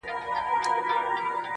بلکي د ټول افغانستان سره مشکل لري